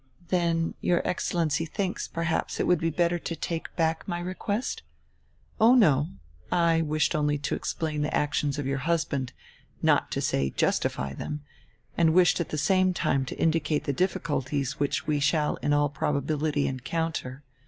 "Then your Excellency thinks, perhaps, it would be bet ter to take back my request!" "Oh, no. I wished only to explain the actions of your husband, not to say justify them, and wished at the same time to indicate the difficulties we shall in all probability encounter.